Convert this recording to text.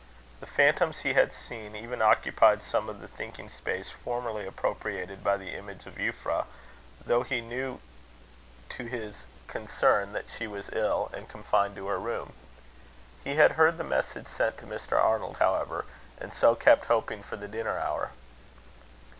The phantoms he had seen even occupied some of the thinking space formerly appropriated by the image of Euphra, though he knew to his concern that she was ill, and confined to her room. He had heard the message sent to Mr. Arnold, however, and so kept hoping for the dinner hour.